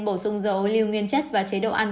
bổ sung dầu lưu nguyên chất và chế độ ăn